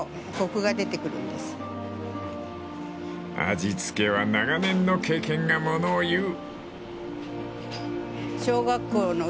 ［味付けは長年の経験がものをいう］